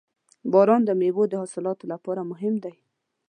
• باران د میوو د حاصلاتو لپاره مهم دی.